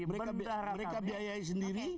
mereka biayai sendiri